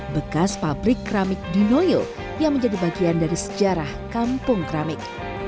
bekas pabrik keramik di noyo yang menjadi bagian dari sejarah kampung keramik